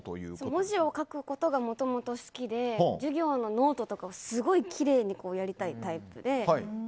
文字を書くことがもともと好きで授業のノートとかすごいきれいにやりたいタイプで